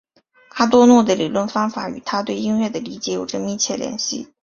阿多诺的理论方法与他对音乐的理解有着密切联系。